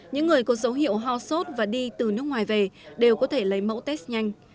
những người có dấu hiệu ho sốt và đi từ nước ngoài về đều có thể lấy mẫu test nhanh